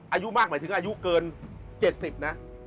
อายุมากหมายถึงอายุเกิน๗๐นะ